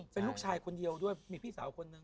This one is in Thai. เป็นลูกชายคนเดียวด้วยมีพี่สาวคนนึง